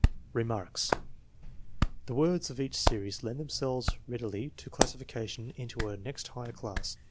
Remarks. The words of each series lend themselves read ily to classification, into a next higher class.